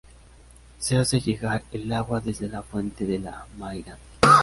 Se hace llegar el agua desde la Fuente de la Maira.